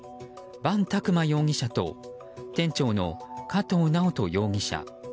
伴拓磨容疑者と店長の加藤直人容疑者。